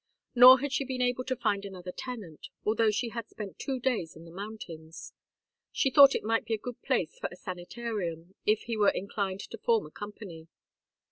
Nor had she been able to find another tenant, although she had spent two days in the mountains. She thought it might be a good place for a sanitarium, if he were inclined to form a company.